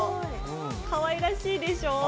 かわいらしいでしょ？